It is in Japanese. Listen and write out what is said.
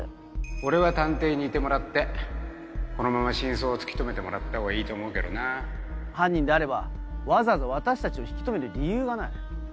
俺は探偵にいてもらってこのまま真相を突き止めてもらったほうがいいと思うけどなぁ犯人であればわざわざ私たちを引き留める理由がない。